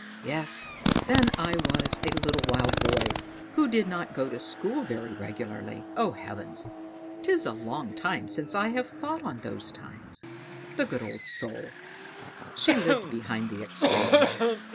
Yes, then I was a little wild boy, who did not go to school very regularly. O heavens! 'tis a long time since I have thought on those times. The good old soul! She lived behind the Exchange.